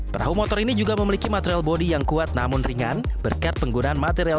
perahu motor ini juga memiliki material bodi yang kuat namun ringan berkat penggunaan material